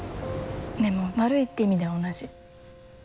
でも悪いって意味では同じ。